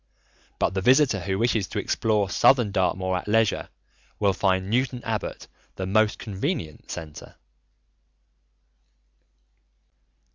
But the visitor who wishes to explore Southern Dartmoor at leisure will find Newton Abbot the most convenient centre.